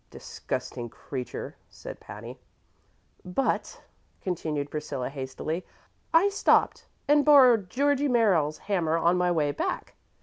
'" "Disgusting creature!" said Patty. "But," continued Priscilla, hastily, "I stopped and borrowed Georgie Merriles's hammer on my way back.